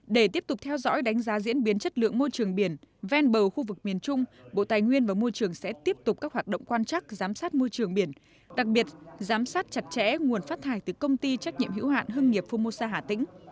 để tiếp tục theo dõi đánh giá diễn biến chất lượng môi trường biển ven bờ khu vực miền trung bộ tài nguyên và môi trường sẽ tiếp tục các hoạt động quan trắc giám sát môi trường biển đặc biệt giám sát chặt chẽ nguồn phát thải từ công ty trách nhiệm hữu hạn hưng nghiệp fumosa hà tĩnh